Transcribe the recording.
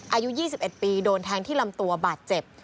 อายุ๒๑ปีโดนแทงที่ลำตัวบาดเจ็บ